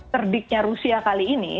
terdiknya rusia kali ini